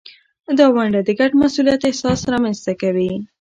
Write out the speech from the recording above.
دا ونډه د ګډ مسؤلیت احساس رامینځته کوي.